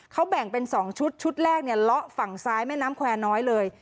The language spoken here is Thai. เขาแบ่งเป็น๒ชุดชุดแรกเนี่ยเลาะฝั่งซ้ายแม่น้ำแควร์น้อยเลย